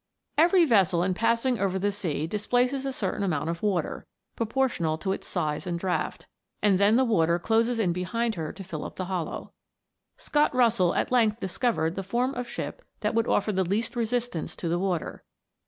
Every vessel in passing over the sea displaces a certain amount of water, proportional to its size and draught, and then the water closes in behind her to fill up the hollow. Scott Russell at length discovered the form of ship that would offer the least resistance to the water.